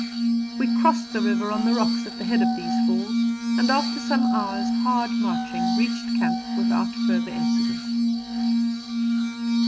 We crossed the river on the rocks at the head of these falls, and after some hours' hard marching reached camp without further incident.